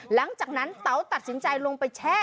หลังจากนั้นเต๋าตัดสินใจลงไปแช่